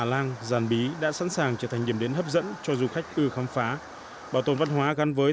làng giàn bí đã sẵn sàng trở thành điểm đến hấp dẫn cho du khách ư khám phá bảo tồn văn hóa gắn với